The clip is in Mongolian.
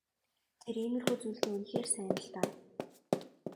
Тэр иймэрхүү зүйлдээ үнэхээр сайн л даа.